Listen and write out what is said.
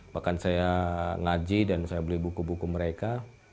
bahkan saya ngaji dan saya beli buku buku mereka